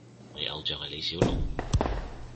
你偶像係李小龍？